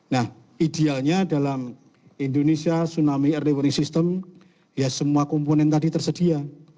nah idealnya dalam indonesia tsunami early warning system ya semua komponen tadi tersedia